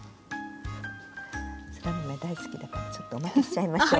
そら豆大好きだからちょっとおまけしちゃいましょう。